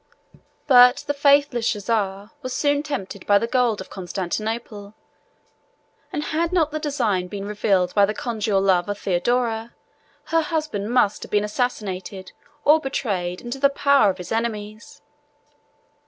But the faithless Chozar was soon tempted by the gold of Constantinople: and had not the design been revealed by the conjugal love of Theodora, her husband must have been assassinated or betrayed into the power of his enemies.